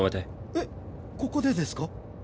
えっここでですか？